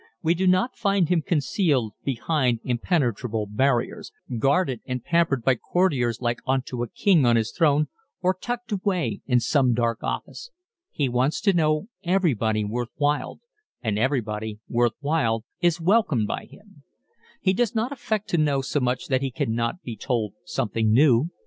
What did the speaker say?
We do not find him concealed behind impenetrable barriers, guarded and pampered by courtiers like unto a king on his throne or tucked away in some dark office. He wants to know everybody worth while and everybody worth while is welcomed by him. He doesn't affect to know so much that he cannot be told something new.